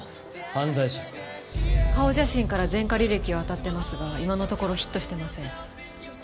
顔写真から前科履歴をあたってますが今のところヒットしてません。